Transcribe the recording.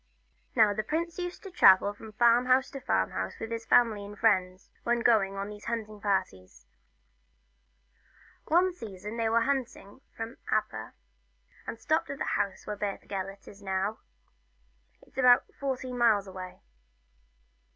Now the prince used to travel from farm house to farm house with his family and friends, when going on these hunting parties. One season they went hunting from Aber, and stopped at the house where Beth Gelert is now it 's about fourteen miles away.